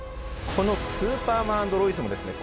この「スーパーマン＆ロイス」もですね